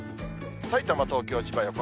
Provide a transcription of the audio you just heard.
さいたま、東京、千葉、横浜。